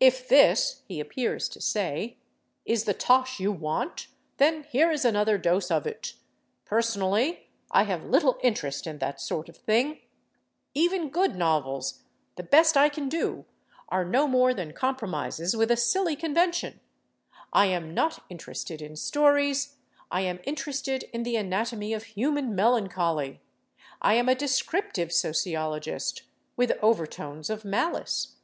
"If this," he appears to say, "is the tosh you want, then here is another dose of it. Personally, I have little interest in that sort of thing. Even good novels—the best I can do—are no more than compromises with a silly convention. I am not interested in stories; I am interested in the anatomy of human melancholy; I am a descriptive sociologist, with overtones of malice.